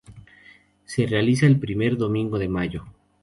Se realiza el primer domingo de mayo.